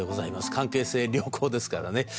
関係性良好ですからね。